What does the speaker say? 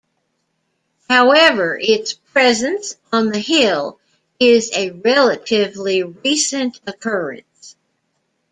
However, its presence on the hill is a relatively recent occurrence.